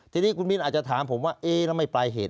ทีนี้คุณมิ้นอาจจะถามผมว่าเอ๊ะแล้วไม่ปลายเหตุ